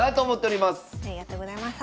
ありがとうございます。